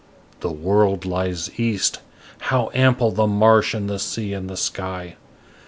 The world lies east: how ample, the marsh and the sea and the sky!